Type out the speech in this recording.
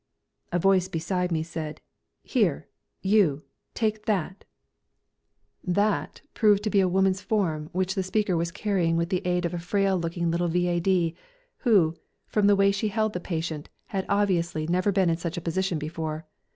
A voice beside me said: "Here, you, take that!" "That" proved to be a woman's form which the speaker was carrying with the aid of a frail looking little V.A.D., who, from the way she held the patient, had obviously never been in such a position before.